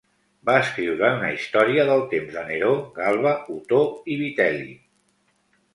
Va escriure una història dels temps de Neró, Galba, Otó i Vitel·li.